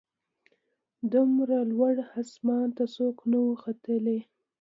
دومره لوړ اسمان ته څوک نه وه ختلي